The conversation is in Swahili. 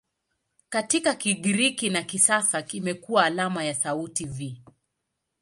Katika Kigiriki cha kisasa imekuwa alama ya sauti "V".